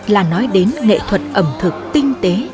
là nói đến nghệ thuật ẩm thực tinh tế